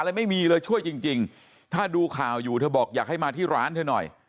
ไม่มีเลยช่วยจริงจริงถ้าดูข่าวอยู่เธอบอกอยากให้มาที่ร้านเธอหน่อย